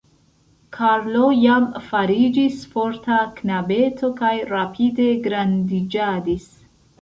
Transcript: Karlo jam fariĝis forta knabeto kaj rapide grandiĝadis.